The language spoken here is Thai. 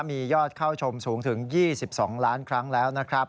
มียอดเข้าชมสูงถึง๒๒ล้านครั้งแล้วนะครับ